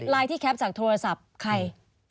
ที่แคปจากโทรศัพท์ใคร